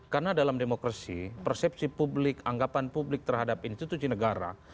karena dalam demokrasi persepsi publik anggapan publik terhadap institusi negara